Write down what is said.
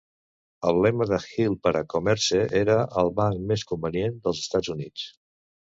El lema de Hill per a Commerce era "el banc més convenient dels Estats Units".